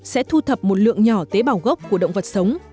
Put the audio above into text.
sẽ thu thập một lượng nhỏ tế bào gốc của động vật sống